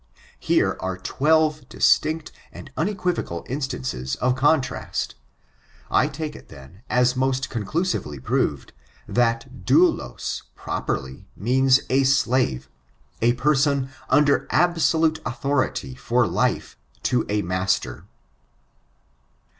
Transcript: Here are twelve distinct and unequivocal instances of contrast. I take it, then, as most conclusively proved, that doulos properly means a slave »a person under absolute authority for life. I I I to a master.